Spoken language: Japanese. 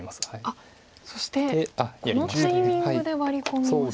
あっそしてこのタイミングでワリ込みました。